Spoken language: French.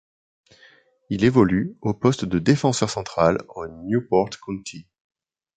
Il évolue au poste de défenseur central au Newport County.